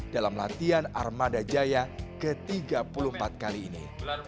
dalam latihan armada jaya ke tiga puluh empat kali ini